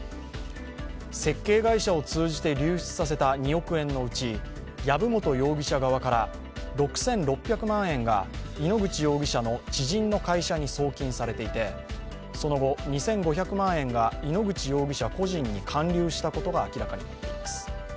設計会社を通じて、流出させた２億円のつい藪本容疑者側から６６００万円が井ノ口容疑者の知人の会社に送金されていてその後、２５００万円が井ノ口容疑者個人に還流したことが明らかになっています。